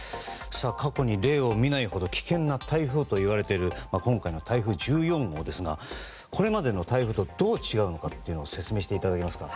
過去に例を見ないほど危険な台風といわれている今回の台風１４号ですがこれまでの台風とどう違うのか説明していただけますか。